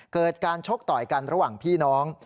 เกิดการชกต่อยกันระหว่างพี่น้อง